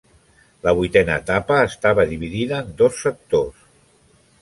La vuitena etapa estava dividida en dos sectors.